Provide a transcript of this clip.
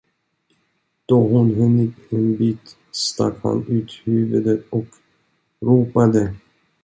Då hon hunnit en bit, stack han ut huvudet och ropade.